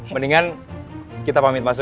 mendingan kita pamit masuk